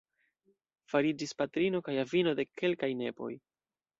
Fariĝis patrino kaj avino de kelkaj nepoj.